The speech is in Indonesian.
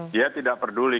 dia tidak peduli